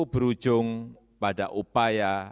berujung pada upaya